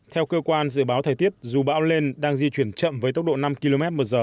theo cơ quan dự báo thời tiết dù bão lên đang di chuyển chậm với tốc độ năm km một giờ